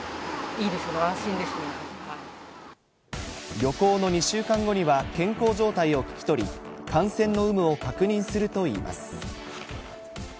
旅行の２週間後には健康状態を聞き取り、感染の有無を確認するといいます。